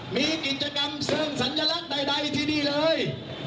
มีกิจกรรมเชิงสัญลักษณ์ใดที่นี่เลย